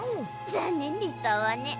ざんねんでしたわね。